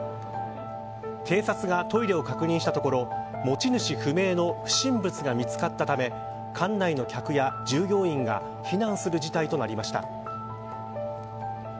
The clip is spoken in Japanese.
警察がトイレを確認したところ持ち主不明の不審物が見つかったため館内の客や従業員が避難する事態となりました。